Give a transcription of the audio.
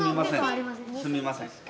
すみません。